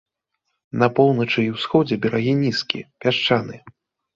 На поўначы і ўсходзе берагі нізкія, пясчаныя.